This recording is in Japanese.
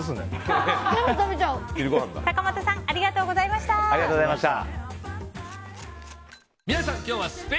坂本さんありがとうございました。